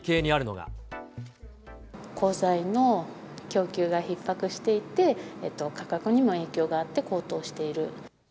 鋼材の供給がひっ迫していて、価格にも影響があって、高騰している。